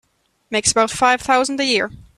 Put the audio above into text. Makes about five thousand a year.